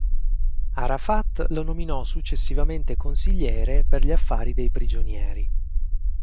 Arafat lo nominò successivamente consigliere per gli affari dei prigionieri.